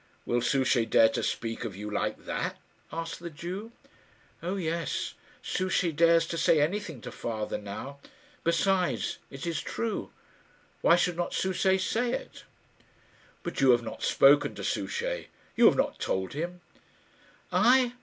"Will Souchey dare to speak of you like that?" asked the Jew. "Oh, yes; Souchey dares to say anything to father now. Besides, it is true. Why should not Souchey say it?" "But you have not spoken to Souchey; you have not told him?" "I!